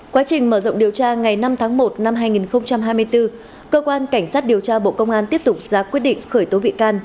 quá trình mở rộng điều tra ngày năm tháng một năm hai nghìn hai mươi bốn cơ quan cảnh sát điều tra bộ công an tiếp tục ra quyết định khởi tố bị can